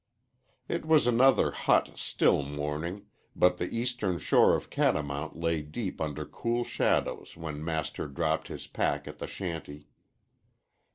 It was another hot, still morning, but the eastern shore of Catamount lay deep under cool shadows when Master dropped his pack at the shanty.